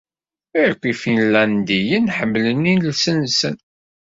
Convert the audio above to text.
Akk Ifinlandiyen ḥemmlen iles-nsen.